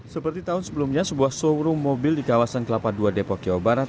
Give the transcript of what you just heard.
seperti tahun sebelumnya sebuah showroom mobil di kawasan kelapa ii depok jawa barat